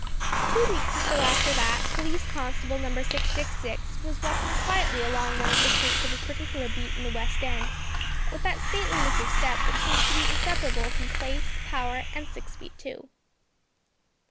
Two weeks or so after that, Police Constable Number 666 was walking quietly along one of the streets of his particular beat in the West end, with that stateliness of step which seems to be inseparable from place, power, and six feet two.